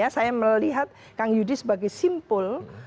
saya melihat kang yudi sebagai simpul